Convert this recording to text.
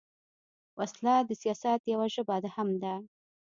وسله د سیاست یوه ژبه هم ده